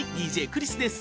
ＤＪクリスです。